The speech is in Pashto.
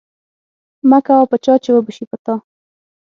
مکوه په چا چې وبه شي په تا.